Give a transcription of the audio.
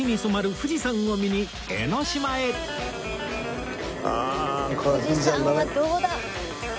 富士山はどうだ？